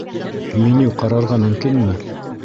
Меню ҡарарға мөмкинме?